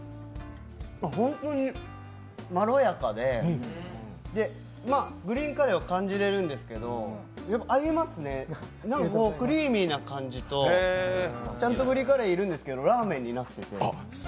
あっ、本当にまろやかでグリーンカレーを感じれるんですけど合いますね、クリーミーな感じとちゃんとグリーンカレーいるんですけどラーメンになってて。